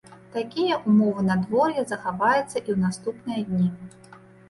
Такія ўмовы надвор'я захаваюцца і ў наступныя дні.